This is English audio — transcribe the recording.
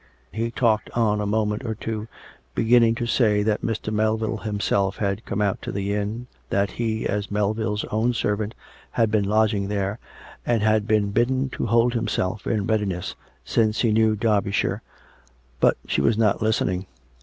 He talked on a moment or two, beginning to say that Mr. Melville liimself had come out to the inn; that he, as 334 COME RACK! COME ROPE! Melville's own servant, had been lodging there, and had been bidden to hold himself in readiness, since he knew Derbyshire. ... But she was not listening.